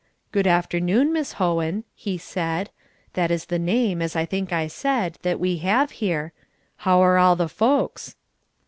"Good afternoon, Miss Hohen," he said (that is the name, as I think I said, that we have here), "how are all the folks?"